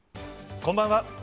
こんばんは。